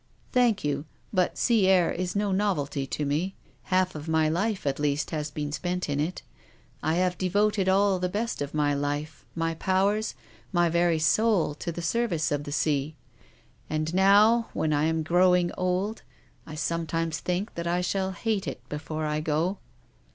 " Thank you. But sea air is no novelty to me. Half of my life, at least, has been spent in it. I have devoted all the best of my life, my powers, my very soul to the service of the sea. And now, when I am growing old, I sometimes think that I shall hate it before I go."